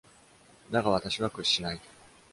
だが私は屈しない。